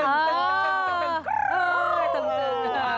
อ๋อจังหวัง